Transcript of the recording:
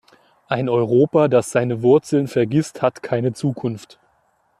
Ein Europa, das seine Wurzeln vergisst, hat keine Zukunft.